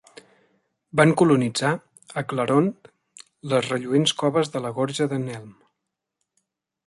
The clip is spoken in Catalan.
Van colonitzar Aglarond, les relluents coves a la Gorja d'en Helm.